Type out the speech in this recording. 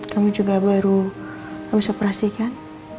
kamu juga baru habis operasi kan